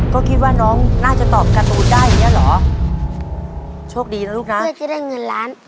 ก็คิดว่าน้องน่าจะตอบการ์ตูนได้อย่างเงี้เหรอโชคดีนะลูกนะเพื่อคิดได้เงินล้าน